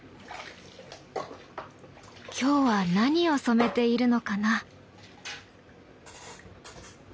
今日は何を染めているのかな？